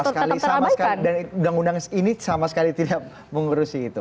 sama sekali sama sekali dan undang undang ini sama sekali tidak mengurusi itu